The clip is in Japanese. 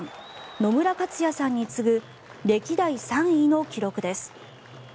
野村克也さんに次ぐ歴代３位の記録です。